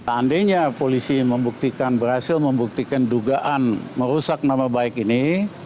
andainya polisi berhasil membuktikan dugaan merusak nama baik ini